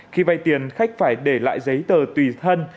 khi vay tiền khách phải để lại giấy tờ tùy thân